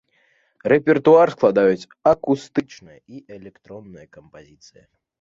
Рэпертуар складаюць акустычныя і электронныя кампазіцыі.